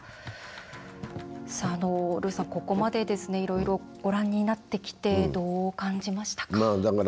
ルーさん、ここまでいろいろご覧になってきてどう感じましたか？